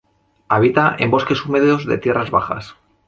Habita en bosques húmedos de tierras bajas.